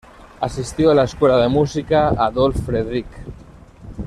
Asistió a la Escuela de Música Adolf Fredrik.